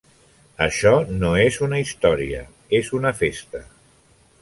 Això no és una història, és una festa.